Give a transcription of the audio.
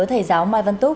thầy giáo mai văn túc